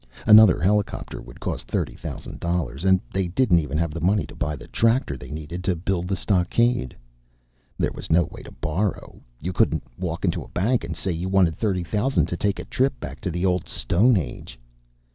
Another helicopter would cost thirty thousand dollars and they didn't even have the money to buy the tractor that they needed to build the stockade. There was no way to borrow. You couldn't walk into a bank and say you wanted thirty thousand to take a trip back to the Old Stone Age.